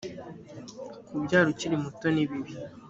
kubyara ukiri muto ni bibi